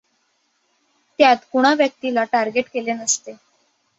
त्यांत कुणा व्यक्तीला टार्गेट केले नसते.